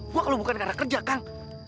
wah kalau bukan karena kerja kang